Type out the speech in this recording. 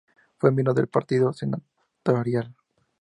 Fue miembro del partido senatorial.